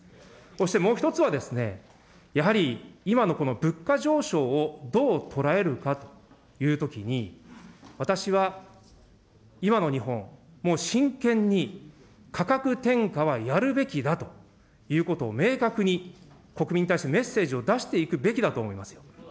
そしてもう一つは、やはり、今のこの物価上昇をどう捉えるかというときに、私は今の日本、もう真剣に、価格転嫁はやるべきだということを明確に国民に対してメッセージを出していくべきだと思いますよ。